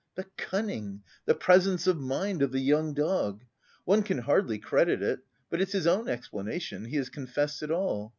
The cunning, the presence of mind of the young dog! One can hardly credit it; but it's his own explanation, he has confessed it all.